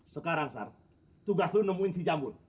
sekarang sar tugas lu nemuin si jambul